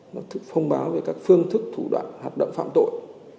nó thông báo về các phương thức thủ đoạn hoạt động phạm tội